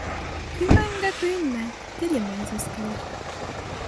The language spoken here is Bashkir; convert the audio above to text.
Көймәгәнгә көйөнмә: теле менән сәнскеләр.